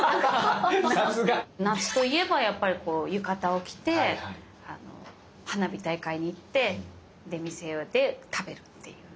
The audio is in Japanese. さすが！夏といえばやっぱりこう浴衣を着て花火大会に行って出店で食べるっていう。